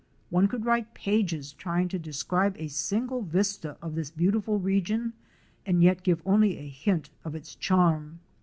One could write pages trying to describe a single vista of this beautiful region and yet give only a hint of its charm.